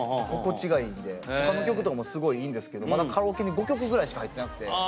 他の曲とかもすごいいいんですけどまだカラオケに５曲ぐらいしか入ってなくて。